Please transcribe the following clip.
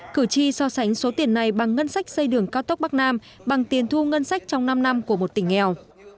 cử tri so sánh số tiền này bằng ngân sách xây đường cao tốc bắc nam bằng tiền thu ngân sách trong năm năm của một tỉnh nghèo